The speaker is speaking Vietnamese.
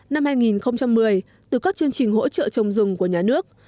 năm hai nghìn một mươi từ các chương trình hỗ trợ trồng rừng của nhà nước